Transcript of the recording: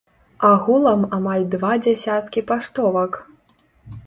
Агулам амаль два дзясяткі паштовак.